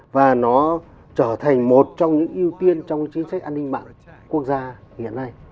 và nó trở thành một trong những ưu tiên trong chính sách an ninh mạng quốc gia hiện nay